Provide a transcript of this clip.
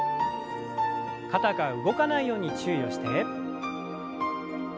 肩が動かないように注意をして。